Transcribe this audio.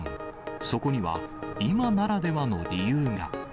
そこには今ならではの理由が。